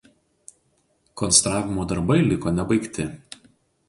Konstravimo darbai liko nebaigti.